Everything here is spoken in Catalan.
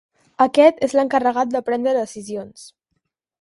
Aquest és l'encarregat de prendre decisions.